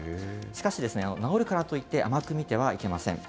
しかし、治るからといって、甘く見てはいけません。